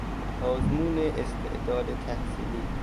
آزمون استعداد تحصیلی